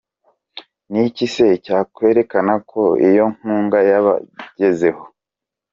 niki se cyakwerekana ko iyo nkunga yabagezeho?